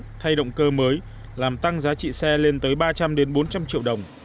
để cải tiến thay động cơ mới làm tăng giá trị xe lên tới ba trăm linh bốn trăm linh triệu đồng